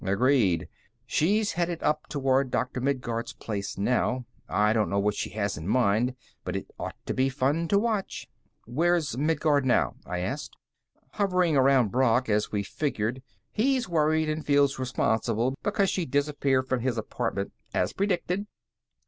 "Agreed. She's headed up toward Dr. Midguard's place now. I don't know what she has in mind, but it ought to be fun to watch." "Where's Midguard now?" I asked. "Hovering around Brock, as we figured. He's worried and feels responsible because she disappeared from his apartment, as predicted."